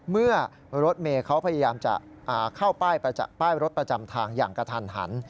เมื่อรถเมย์เขาพยายามจะเข้าป้ายรถประจำทางอย่างกระทันหัน